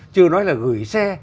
chưa nói là gửi xe